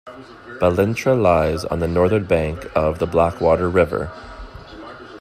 Ballintra lies on the northern bank of the Blackwater river.